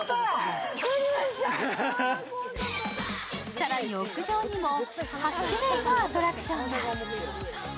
更に屋上にも、８種類のアトラクションが。